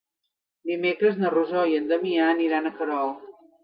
Dimecres na Rosó i en Damià aniran a Querol.